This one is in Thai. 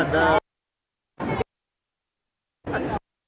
สวัสดีครับ